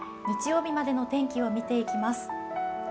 日曜日までの天気を見ていきます。